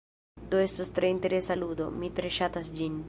Do, estos tre interesa ludo, mi tre ŝatas ĝin.